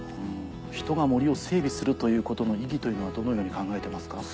人が森を整備するということの意義というのはどのように考えてますか？